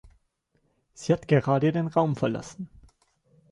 Sie hat gerade den Raum verlassen.